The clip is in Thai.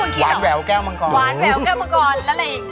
หวานแหววแก้วมังกรและอะไรอีก